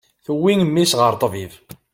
Tewwi mmi-s ɣer ṭṭbib.